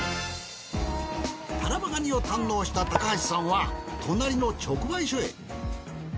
タラバガニを堪能した高橋さんは隣の直売所へ。